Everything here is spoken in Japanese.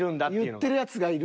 言ってるやつがいるわ。